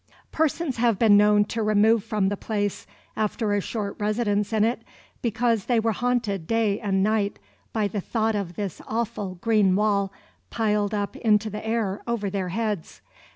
Persons have been known to remove from the place, after a short residence in it, because they were haunted day and night by the thought of this awful green wall, piled up into the air over their heads.